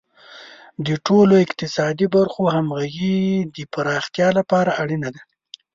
د ټولو اقتصادي برخو همغږي د پراختیا لپاره اړینه ده.